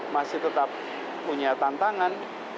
masih tetap punya tantangan